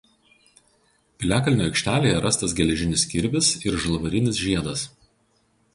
Piliakalnio aikštelėje rastas geležinis kirvis ir žalvarinis žiedas.